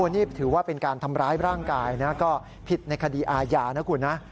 นี่ถือว่าเป็นการทำร้ายร่างกายนะก็ผิดในคดีอาญานะคุณนะ